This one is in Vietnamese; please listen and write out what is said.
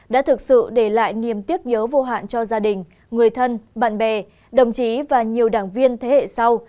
đã thực sự để lại niềm tiếc nhớ vô hạn cho gia đình người thân bạn bè đồng chí và nhiều đảng viên thế hệ sau